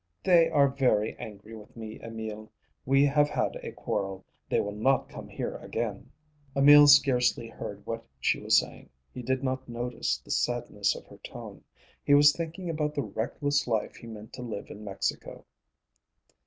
"They are very angry with me, Emil. We have had a quarrel. They will not come here again." Emil scarcely heard what she was saying; he did not notice the sadness of her tone. He was thinking about the reckless life he meant to live in Mexico.